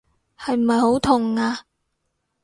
係咪好痛啊？